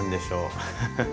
ハハハハ。